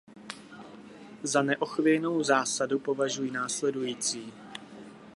Za neochvějnou zásadu považuji následující.